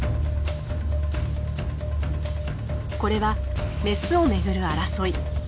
これはメスを巡る争い。